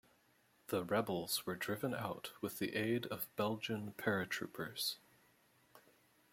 The rebels were driven out with the aid of Belgian paratroopers.